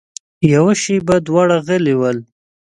يوه شېبه دواړه غلي ول.